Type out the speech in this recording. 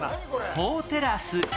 法テラス！